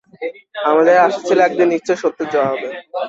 আমাদের আশা ছিল একদিন নিশ্চয়ই সত্যের জয় হবে।